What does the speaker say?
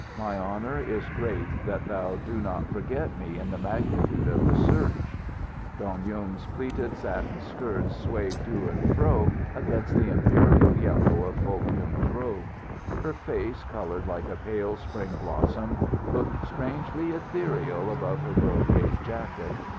My honour is great that thou do not forget me in the magnitude of the search." Dong Yung's pleated satin skirts swayed to and fro against the imperial yellow of Foh Kyung's robe. Her face coloured like a pale spring blossom, looked strangely ethereal above her brocade jacket.